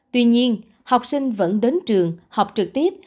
tuy nhiên học sinh vẫn đến trường học trực tiếp